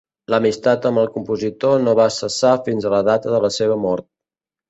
L'amistat amb el compositor no va cessar fins a la data de la seva mort.